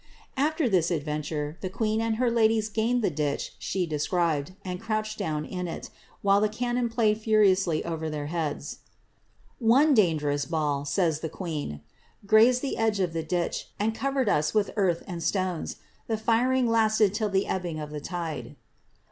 ^ kfter this adventure, the queen and her ladies gained the ditch she de cribed, and crouched down in it, while the cannon played furiously iver their heads. ^^ One dangerous ball," says the queen, ^' grazed the ^e of the ditch, and covered us with earth and stones : the firing lasted ill the ebbing of the tide."